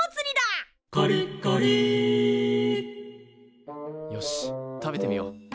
「カリッカリ」よし食べてみよう。